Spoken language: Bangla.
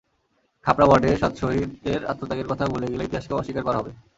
খাপড়া ওয়ার্ডের সাত শহীদের আত্মত্যাগের কথা ভুলে গেলে ইতিহাসকেও অস্বীকার করা হবে।